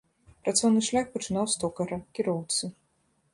Працоўны шлях пачынаў з токара, кіроўцы.